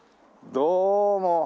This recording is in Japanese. どうも。